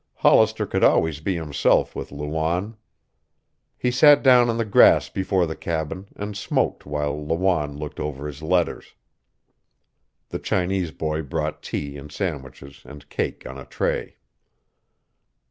Hollister could always be himself with Lawanne. He sat down on the grass before the cabin and smoked while Lawanne looked over his letters. The Chinese boy brought tea and sandwiches and cake on a tray.